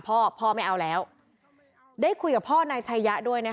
เป้าหนักครับ